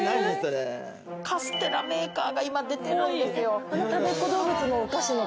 カステラメーカーが今出てるんですよ。